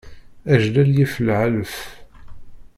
Ajlal yif lɛelf.